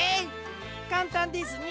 かんたんですね。